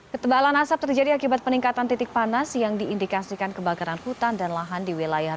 ketebalan asap terjadi akibat peningkatan titik panas yang diindikasikan kebakaran hutan dan lahan di wilayah